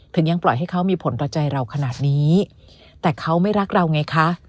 ยังปล่อยให้เขามีผลต่อใจเราขนาดนี้แต่เขาไม่รักเราไงคะ